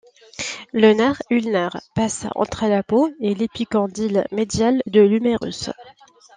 Le nerf ulnaire passe entre la peau et l'épicondyle médial de l'humérus.